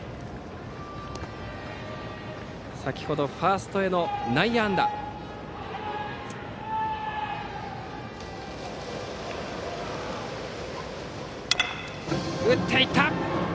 先ほどファーストへの内野安打でした。